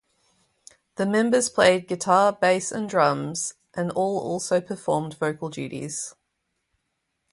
The members played guitar, bass, and drums, and all also performed vocal duties.